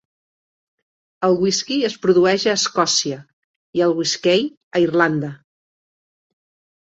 El whisky es produeix a Escòcia i el whiskey, a Irlanda.